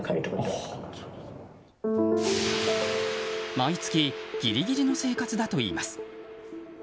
毎月ギリギリの生活だといいます。